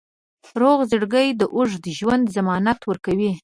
روغ زړګی د اوږد ژوند ضمانت ورکوي.